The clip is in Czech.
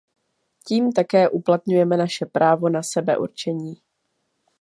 Tím také uplatňujeme naše právo na sebeurčení.